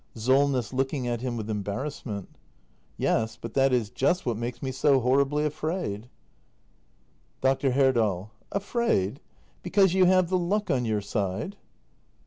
Solness. [Looking at him with embarrassment.] Yes, but that is just what makes me so horribly afraid. Dr. Herdal. Afraid? Because you have the luck on your side!